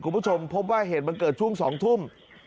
เพราะวงจอดปิดคุณผู้ชมพบว่าเห็นมันเกิดช่วง๒ทุ่ม